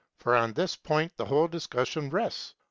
For on this point our whole discussion rests.